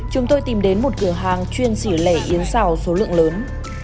chúng tôi tìm đến một cửa hàng chuyên sử lệ yến xào số lượng lớn